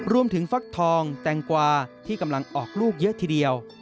ฟักทองแตงกวาที่กำลังออกลูกเยอะทีเดียว